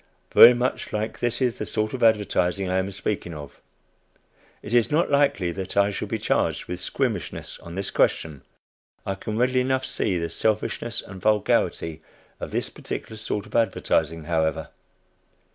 Very much like this is the sort of advertising I am speaking of. It is not likely that I shall be charged with squeamishness on this question. I can readily enough see the selfishness and vulgarity of this particular sort of advertising, however.